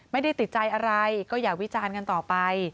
ไม่ได้ติดใจอะไรก็อย่าวิจารณ์กันต่อไป